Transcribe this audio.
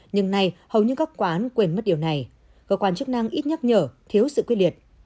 nhưng nay hầu như các quán quên mất điều này cơ quan chức năng ít nhắc nhở thiếu sự quyết liệt